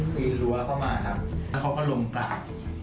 ปีนรั้วเข้ามาครับแล้วเขาก็ลงกราบ